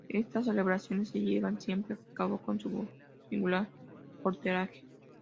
Estas celebraciones se llevan siempre a cabo con su singular voltereta.